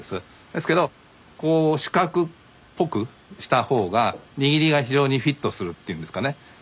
ですけどこう四角っぽくした方が握りが非常にフィットするっていうんですかね